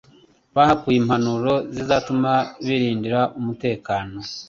bahakuye impanuro zizatuma birindira umutekano.